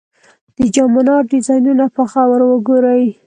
د جام منار ډیزاینونه په غور وګورئ.